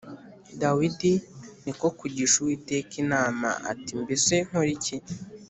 Dawidi ni ko kugisha Uwiteka inama ati Mbese nkore iki